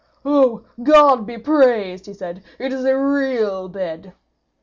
"Oh, God be praised," he said; "it is a real bed!"